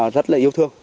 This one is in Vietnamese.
rất là yêu thương